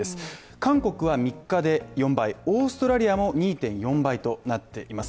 韓国は３日で４倍、オーストラリアも２．４倍となっています。